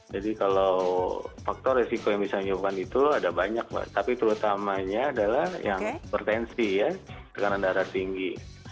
jadi kalau faktor resiko yang bisa menyebabkan itu ada banyak mbak tapi terutamanya adalah yang tertensi ya tekanan darah tinggi